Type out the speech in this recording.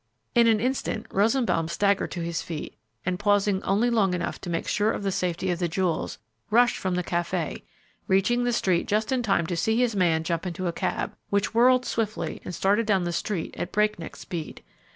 In an instant Rosenbaum staggered to his feet, and, pausing only long enough to make sure of the safety of the jewels, rushed from the café, reaching the street just in time to see his man jump into a cab, which whirled swiftly and started down the street at break neck speed.